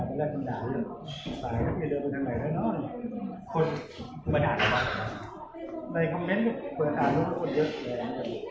ตอนแรกไงครับตอนแรกเขามาก็เล่ฝันละ